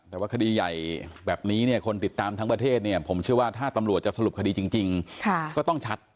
แต่ว่าคดีใหญ่แบบนี้คนติดตามทั้งประเทศผมเชื่อว่าถ้าตำรวจสรุปคดีจริง